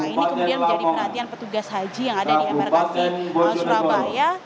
ini kemudian menjadi perhatian petugas haji yang ada di embarkasi surabaya